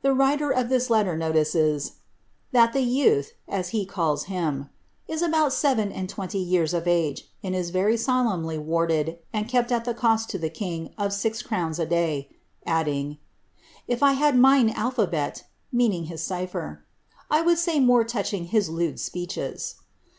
The writer of this letter notices, ih*t the youth," as he calls him, " is about seven and twenty years of a^f. and is very solemnly warded and kept at the cost to the king of sii crowns a day ;" adding, " If I had mine alphabet," meaning hia cipher, '■ I would say more touching his lewd speeches."